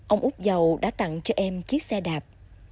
ông út giàu đã tặng cho em chiếc xe đạp